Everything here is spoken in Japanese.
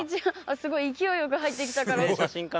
すごい勢いよく入って来たから。